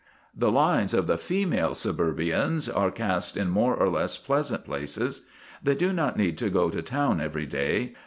The lines of the female suburbians are cast in more or less pleasant places. They do not need to go to town every day.